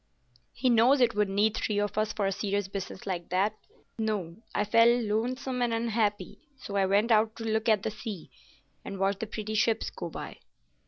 "He knows it would need three of us for a serious business like that. No, I felt lonesome and unhappy, so I went out to look at the sea, and watch the pretty ships go by."